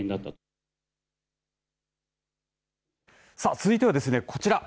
続いてはですね、こちら。